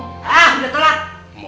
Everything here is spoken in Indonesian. hah udah telat